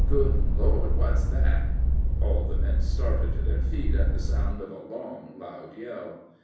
Good Lord! what's that?" All the men started to their feet at the sound of a long, loud yell.